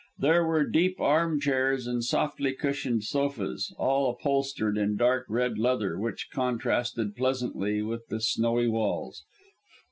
There were deep armchairs and softly cushioned sofas, all upholstered in dark red leather, which contrasted pleasantly with the snowy walls.